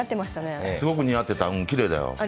すごく似合ってた、きれいだよ。